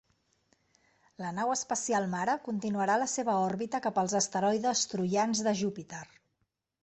La nau espacial mare continuarà la seva òrbita cap als asteroides troians de Júpiter.